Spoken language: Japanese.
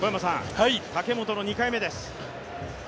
武本の２回目です。